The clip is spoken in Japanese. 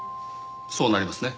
そうなりますね。